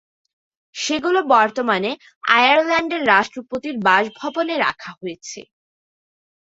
সেগুলো বর্তমানে আয়ারল্যান্ডের রাষ্ট্রপতির বাসভবনে রাখা হয়েছে।